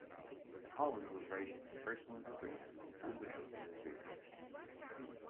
Collins was writing from personal experience, unbeknownst to his readers.